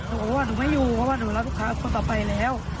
บอกว่าหนูไม่อยู่เพราะว่าหนูรักลูกค้าคนต่อไปแล้ว